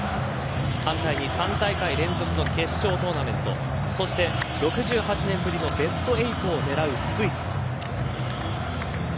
反対に３大会連続の決勝トーナメントそして６８年ぶりのベスト８を狙うスイス。